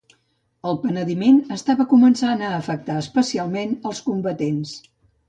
El penediment estava començant a afectar especialment els combatents.